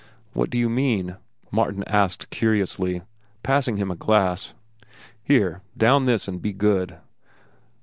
"What do you mean?" Martin asked curiously, passing him a glass. "Here, down this and be good."